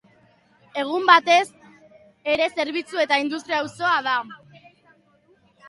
Egun, batez ere zerbitzu eta industria-auzoa da.